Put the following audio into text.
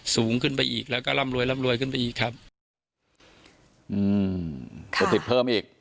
สูงขึ้นไปอีกแล้วก็ร่ำรวยร่ำรวยขึ้นไปอีกครับอืมก็ติดเพิ่มอีก